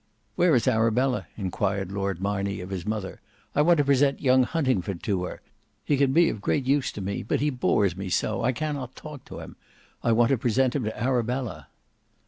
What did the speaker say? "Where is Arabella?" enquired Lord Marney of his mother, "I want to present young Huntingford to her. He can be of great use to me, but he bores me so, I cannot talk to him. I want to present him to Arabella."